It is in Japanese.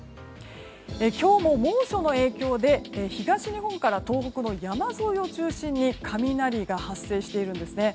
今日も猛暑の影響で東日本から東北の山沿いを中心に雷が発生しているんですね。